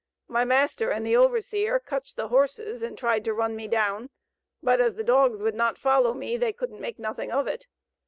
My master and the overseer cotched the horses and tried to run me down, but as the dogs would not follow me they couldn't make nothing of it.